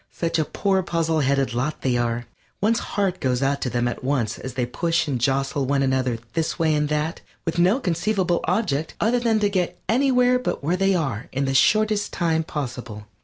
Such a poor puzzle headed lot they are. One's heart goes out to them at once as they push and jostle one another this way and that, with no conceivable object other than to get anywhere but where they are in the shortest time possible.